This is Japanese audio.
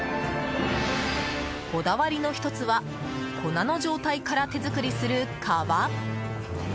こだわりの１つは粉の状態から手作りする皮。